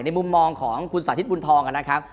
มุมมองของคุณสาธิตบุญทองนะครับ